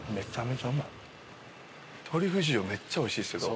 めっちゃおいしいです。